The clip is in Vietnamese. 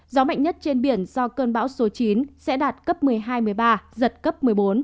gió mạnh nhất trên biển do cơn bão số chín sẽ đạt cấp một mươi hai một mươi ba giật cấp một mươi bốn